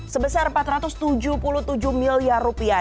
sebesar empat ratus tujuh puluh tujuh miliar rupiah